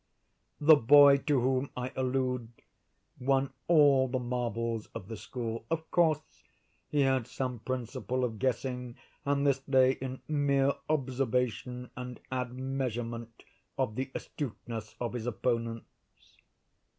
The boy to whom I allude won all the marbles of the school. Of course he had some principle of guessing; and this lay in mere observation and admeasurement of the astuteness of his opponents.